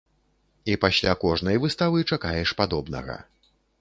І пасля кожнай выставы чакаеш падобнага.